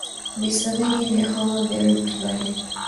visa vingi vya homa ya Rift Valley